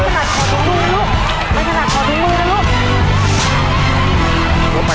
แบ่งฝั่งขอถือมือนะลูก